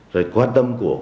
rồi quan tâm của